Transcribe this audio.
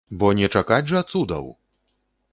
Бо не чакаць жа цудаў!